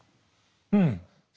うん。